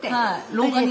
廊下に？